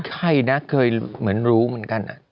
ใครนะเคยเหมือนรู้เหมือนกัน